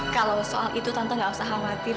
kalau soal itu tante nggak usah khawatir